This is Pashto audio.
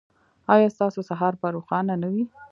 ایا ستاسو سهار به روښانه نه وي؟